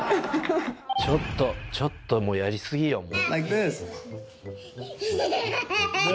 ちょっと、ちょっと、もうやり過ぎよ。